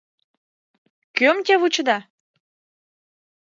— Кӧм те вучеда?